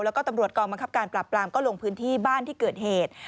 แล้วก็ตำรวจกองบังคับการปราบปรามก็ลงพื้นที่บ้านที่เกิดเหตุ